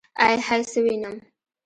ائ هئ څه وينم.